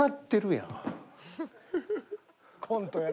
コントやな。